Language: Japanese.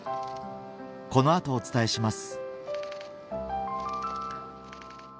この後お伝えします